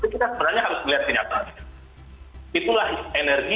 setiap orang itu sebetulnya terbagi dari sembilan jenis energi